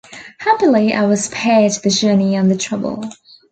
Happily, I was spared the journey and the trouble.